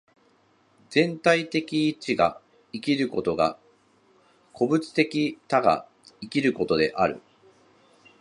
全体的一が生きることが個物的多が生きることである。